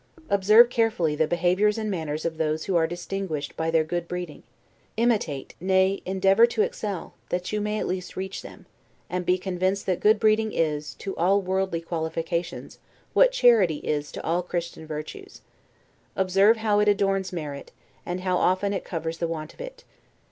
Observe carefully the behavior and manners of those who are distinguished by their good breeding; imitate, nay, endeavor to excel, that you may at least reach them; and be convinced that good breeding is, to all worldly qualifications, what charity is to all Christian virtues. Observe how it adorns merit, and how often it covers the want of it.